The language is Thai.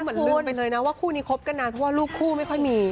เหมือนลืมไปเลยนะว่าคู่นี้คบกันนานเพราะว่าลูกคู่ไม่ค่อยมี